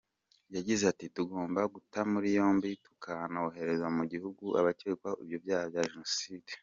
Yagize ati “Tugomba guta muri yombi, tukanohereza mu gihugu abakekwaho ibyaha bya Jenoside.